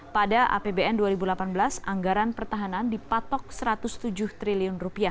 pada apbn dua ribu delapan belas anggaran pertahanan dipatok rp satu ratus tujuh triliun